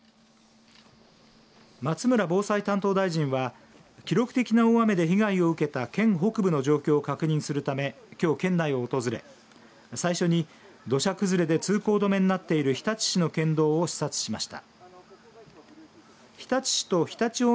松村防災担当大臣は記録的な大雨で被害を受けた県北部の状況を確認するためきょう県内を訪れ最初に土砂崩れで通行止めになっている日立市の県道を視察しました。